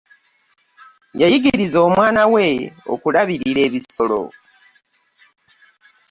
Yayigiriza omwana we okulabirira ebisolo.